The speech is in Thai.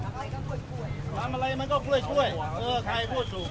ทำอะไรมันก็คล้วยคล้วยเออใครพูดถูก